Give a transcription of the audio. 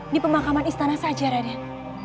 di pemakaman istana saja raden